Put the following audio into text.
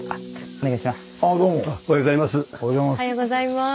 おはようございます。